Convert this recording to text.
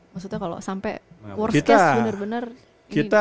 maksudnya kalau sampai worst case benar benar ini diperkirakan